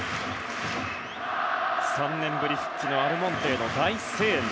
３年ぶり復帰のアルモンテへの大声援。